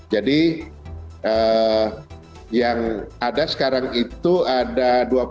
jadi yang ada sekarang itu ada dua puluh